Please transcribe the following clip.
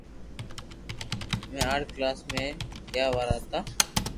ھمي آٺ ڪلاس مي گيا وارا ھتا